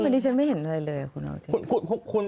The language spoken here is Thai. มันไม่ได้ฉันไม่เห็นอะไรเลย